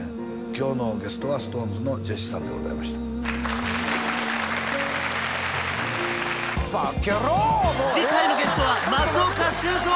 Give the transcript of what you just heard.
今日のゲストはＳｉｘＴＯＮＥＳのジェシーさんでございました次回のゲストは松岡修造